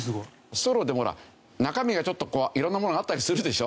ストローでもほら中身がちょっとこう色んなものあったりするでしょ。